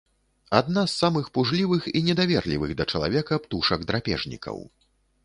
Адна з самых пужлівых і недаверлівых да чалавека птушак-драпежнікаў.